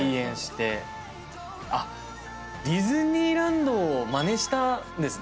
あっディズニーランドをまねしたんですね。